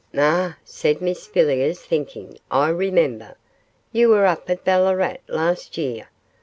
'Ah!' said Mrs Villiers, thinking, 'I remember, you were up at Ballarat last year.